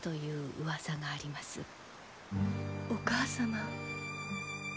お母様。